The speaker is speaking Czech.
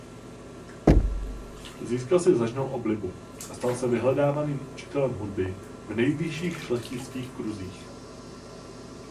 Získal si značnou oblibu a stal se vyhledávaným učitelem hudby v nejvyšších šlechtických kruzích.